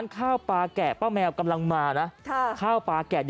ข้าวปลาแกะเดี๋ยวกับแมว